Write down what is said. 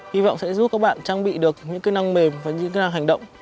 hy vọng sẽ giúp các bạn trang bị được những kỹ năng mềm và những kỹ năng hành động